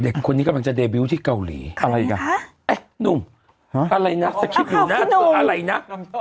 เด็กคนนี้กำลังจะเดบิวท์ที่เกาหลีอะไรนะนุ่มอะไรน่ะอะไรน่ะ